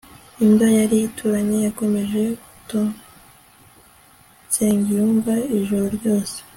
imbwa yari ituranye yakomeje gutonnsengiyumvaa ijoro ryose